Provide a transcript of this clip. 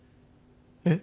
えっ？